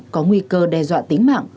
có nguy cơ đe dọa tính mạng